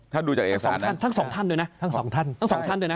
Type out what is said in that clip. ถ้าดูจากเอกสารนะทั้ง๒ท่านด้วยนะ